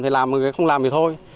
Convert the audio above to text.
thì làm người ta không làm thì thôi